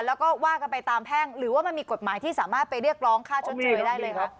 แล้วก็ว่ากันไปตามแพ่งหรือว่ามันมีกฎหมายที่สามารถไปเรียกร้องค่าชดเชยได้เลยคะ